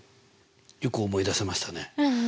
よく思い出せましたね。